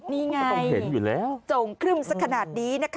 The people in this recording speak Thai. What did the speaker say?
ต้องเห็นอยู่แล้วจงครึ่มสักขนาดนี้